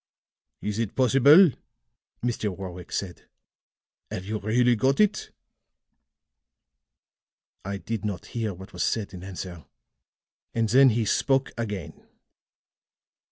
"'Is it possible?' Mr. Warwick said. 'Have you really got it?' "I did not hear what was said in answer; and then he spoke again.